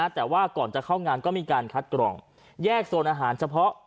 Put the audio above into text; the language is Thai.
แต่ว่าก่อนจะเข้างานก็มีการคัดกรองแยกโซนอาหารเฉพาะ